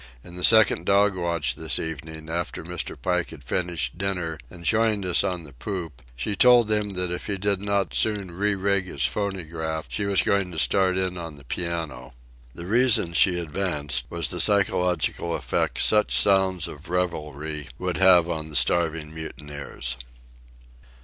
In the second dog watch this evening, after Mr. Pike had finished dinner and joined us on the poop, she told him that if he did not soon re rig his phonograph she was going to start in on the piano. The reason she advanced was the psychological effect such sounds of revelry would have on the starving mutineers.